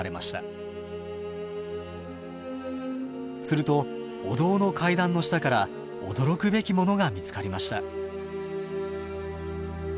するとお堂の階段の下から驚くべきものが見つかりました。